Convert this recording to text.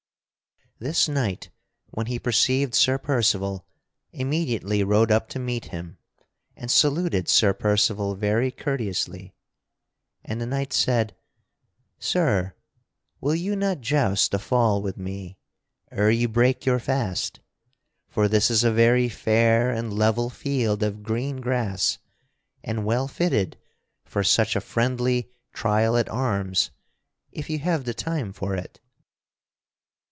This knight, when he perceived Sir Percival, immediately rode up to meet him and saluted Sir Percival very courteously. And the knight said: "Sir, will you not joust a fall with me ere you break your fast? For this is a very fair and level field of green grass and well fitted for such a friendly trial at arms if you have the time for it."